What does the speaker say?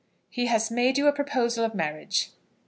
"He has made you a proposal of marriage?"